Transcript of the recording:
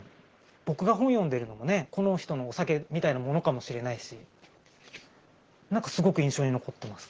僕が本読んでるのもねこの人のお酒みたいなものかもしれないしなんかすごく印象に残ってます